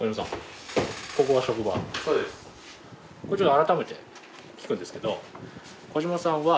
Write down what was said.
改めて聞くんですけど。